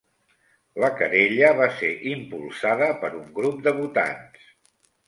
La querella va ser impulsada per un grup de votants